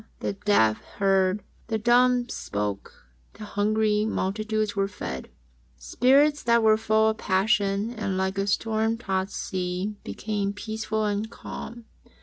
The deaf heard. The dumb spake. The hungry multitudes were fed. Spirits that were full of passion and like a storm tossed sea, became peaceful and calm.